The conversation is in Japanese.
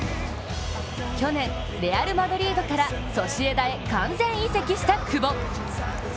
去年、レアル・マドリードからソシエダへ完全移籍した久保。